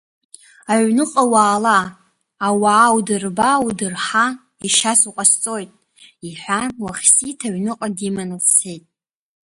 Аҩныҟа уаала, ауаа удырба, удырҳа ешьас уҟасҵоит, — иҳәан, Уахсиҭ аҩныҟа диманы дцеит.